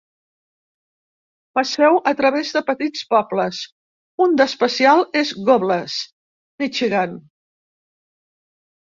Passeu a través de petits pobles, un d'especial és Gobles, Michigan.